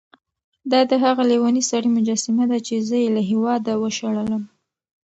دا د هغه لېوني سړي مجسمه ده چې زه یې له هېواده وشړلم.